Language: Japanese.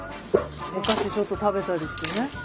お菓子ちょっと食べたりしてね。